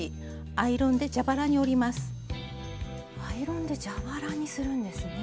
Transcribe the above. アイロンで蛇腹にするんですね。